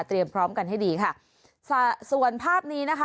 พร้อมกันให้ดีค่ะส่วนภาพนี้นะคะ